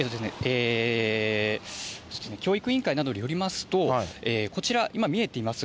教育委員会などによりますと、こちら、今、見えています